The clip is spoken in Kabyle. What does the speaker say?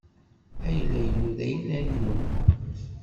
Ayla-inu d ayla-nwen.